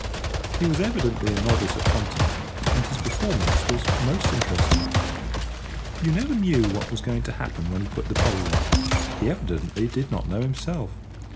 He was evidently a novice at punting, and his performance was most interesting. You never knew what was going to happen when he put the pole in; he evidently did not know himself.